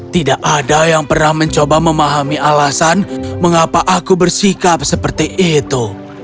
tidak ada yang pernah mencoba memahami alasan mengapa aku bersikap seperti itu